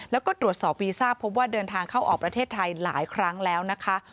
แล้วก็ตรวจสอบวีซ่าพบว่าเดินทางเข้าออกประเทศไทยหลายครั้งแล้วนะคะ